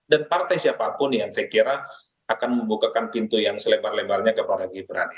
dan partai siapapun yang saya kira akan membukakan pintu yang selebar lebarnya ke partai gibran